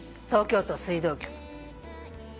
東京都水道局。